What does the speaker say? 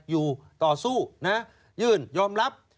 อยู่ต่อสู้นะยื่นยอมรับ